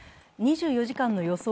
２４時間の予想